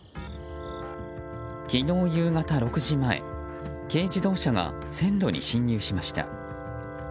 昨日夕方６時前軽自動車が線路に進入しました。